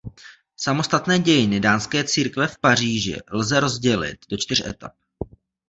Samotné dějiny dánské církve v Paříži lze rozdělit do čtyř etap.